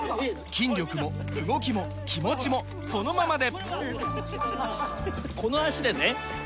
筋力も動きも気持ちもこのままで！